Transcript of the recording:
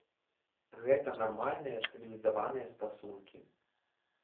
Гэта нармальныя, цывілізаваныя стасункі.